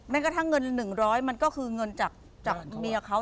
แม้กระทั่งเงินหนึ่งร้อยมันก็คือเงินจากเมียเค้า